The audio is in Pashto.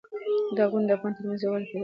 دا غونډې د افغانانو ترمنځ یووالی پیدا کوي.